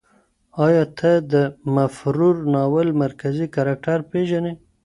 آیا ته د مفرور ناول مرکزي کرکټر پېژنې؟